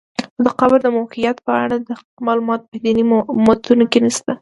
خو د قبر د موقعیت په اړه دقیق معلومات په دیني متونو کې نشته.